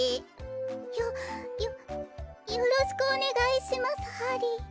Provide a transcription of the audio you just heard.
よよよろしくおねがいしますハリ。